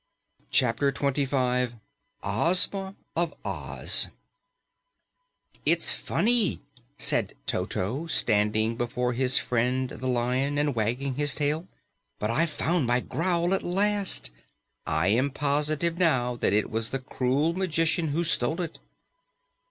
CHAPTER 25 OZMA OF OZ "It's funny," said Toto, standing before his friend the Lion and wagging his tail, "but I've found my growl at last! I am positive now that it was the cruel magician who stole it."